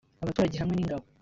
abaturage hamwe n’Ingabo